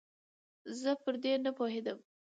زه پر دې نپوهېدم